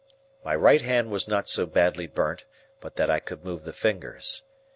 My right hand was not so badly burnt but that I could move the fingers.